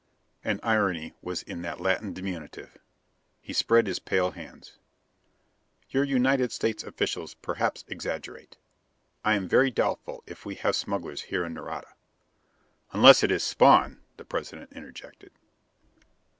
An irony was in that Latin diminutive! He spread his pale hands. "Your United States officials perhaps exaggerate. I am very doubtful if we have smugglers here in Nareda." "Unless it is Spawn," the President interjected.